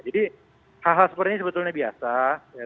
jadi hal hal seperti ini sebetulnya biasa